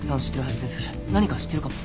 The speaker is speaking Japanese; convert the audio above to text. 何か知ってるかも。